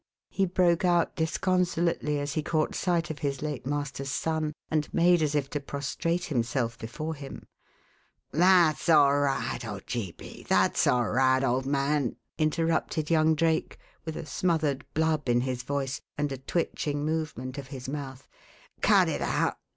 he broke out disconsolately as he caught sight of his late master's son, and made as if to prostrate himself before him. "That's all right, Ojeebi that's all right, old man!" interrupted young Drake, with a smothered "blub" in his voice and a twitching movement of his mouth. "Cut it out!